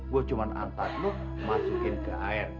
gue cuma antar lo masukin ke air